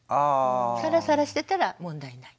サラサラしてたら問題ない。